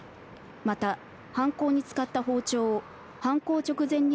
また犯行に使った包丁を犯行直前に